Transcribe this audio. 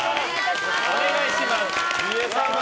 お願いします。